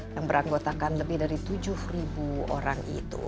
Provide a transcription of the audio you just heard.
yang beranggotakan lebih dari tujuh orang itu